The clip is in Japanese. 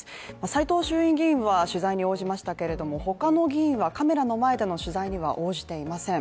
斎藤衆院議員は取材に応じましたけれども他の議員はカメラの前での取材には応じていません。